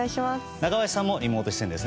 中林さんもリモート出演です。